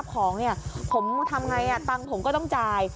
ไม่มารับของเนี่ยผมทำไงอ่ะตังค์ผมก็ต้องจ่าย